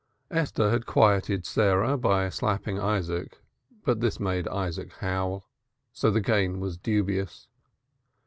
Esther had quieted Sarah by slapping Isaac, but as this made Isaac howl the gain was dubious.